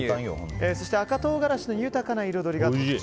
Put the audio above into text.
そして赤唐辛子の豊かな彩りが特徴。